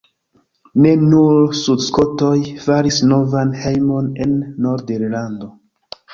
Ne nur sudskotoj faris novan hejmon en Nord-Irlando.